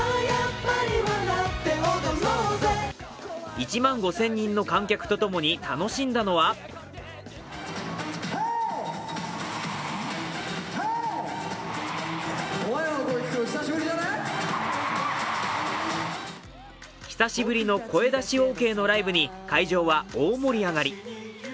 １万５０００人の観客と共に楽しんだのは久しぶりの声出しオーケーのライブに、会場は大盛り上がり。